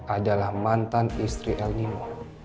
adalah mantan istri el nino